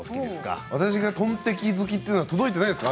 私がトンテキ好きというのは届いてないですか？